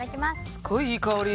すごいいい香り。